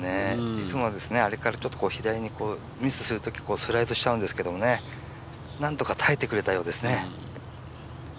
いつもはあれからちょっと左にミスするときスライドしちゃうんですけどなんとか耐えてくれたようですね。